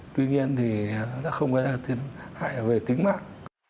tuy nhiên thì đã không có thể tiến hại về tính mạng